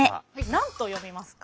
何と読みますか？